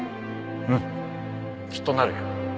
うんきっとなるよ